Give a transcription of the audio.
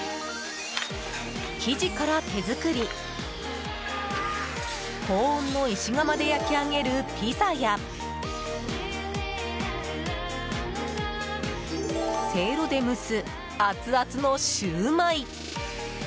生地から手作り高温の石窯で焼き上げるピザやせいろで蒸すアツアツのシューマイ。